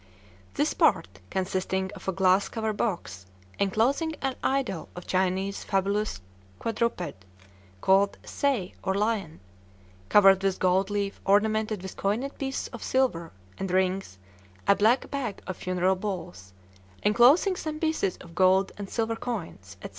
"This Part consisting of a glasscoverbox enclosing a idol of Chinese fabulousquadruped called 'sai' or Lion, covered with goldleaf ornamented with coined pieces of silver & rings a black bag of funeral balls enclosing some pieces of gold and silver coins &c.